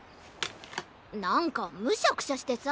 なんかむしゃくしゃしてさ。